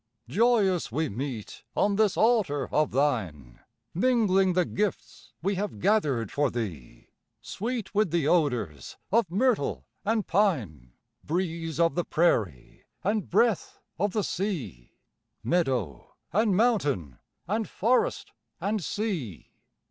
Joyous we meet, on this altar of thine Mingling the gifts we have gathered for thee, Sweet with the odors of myrtle and pine, Breeze of the prairie and breath of the sea, Meadow and mountain and forest and sea!